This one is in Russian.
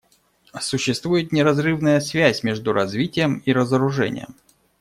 Существует неразрывная связь между развитием и разоружением.